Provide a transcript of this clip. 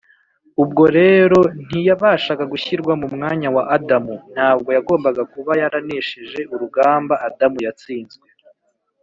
. Ubwo rero nti yabashaga gushyirwa mu mwanya wa Adamu; Ntabwo yagombaga kuba yaranesheje urugamba Adamu yatsinzwe